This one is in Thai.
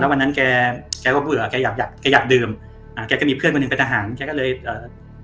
วันนั้นแกแกก็เบื่อแกอยากอยากแกอยากดื่มอ่าแกก็มีเพื่อนคนหนึ่งเป็นทหารแกก็เลยเอ่อ